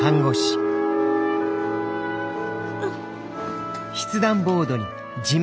うん。